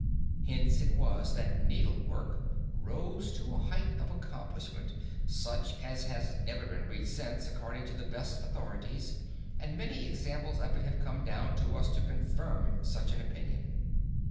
Hence it was that needlework rose to a height of accomplishment such as has never been reached since according to the best authorities, and many examples of it have come down to us to confirm such an opinion.